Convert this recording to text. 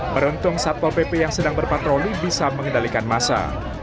beruntung satpol pp yang sedang berpatroli bisa mengendalikan masa